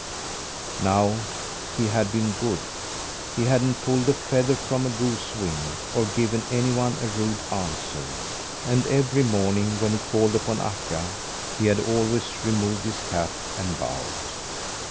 Now he had been good. He hadn't pulled a feather from a goose wing, or given anyone a rude answer; and every morning when he called upon Akka he had always removed his cap and bowed.